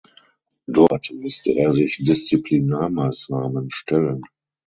Dort musste er sich Disziplinarmaßnahmen stellen.